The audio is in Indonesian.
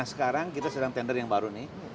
sekarang kita sedang tender yang baru nih